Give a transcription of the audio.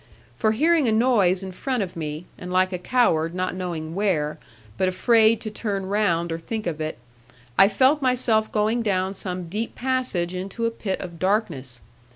For hearing a noise in front of me, and like a coward not knowing where, but afraid to turn round or think of it, I felt myself going down some deep passage into a pit of darkness.